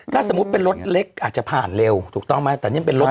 ถ้าสมมุติเป็นรถเล็กอาจจะผ่านเร็วถูกต้องไหมแต่นี่มันเป็นรถ